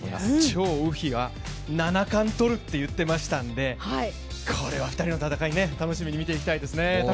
張雨霏は７冠とるって言ってましたので、これは、２人の戦い楽しみに見ていきたいですね。